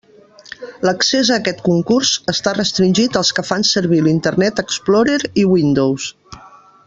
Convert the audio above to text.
L'accés a aquest concurs està restringit als que fan servir l'Internet Explorer i Windows.